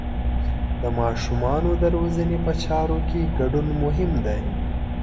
د ماشومانو د روزنې په چارو کې ګډون مهم دی.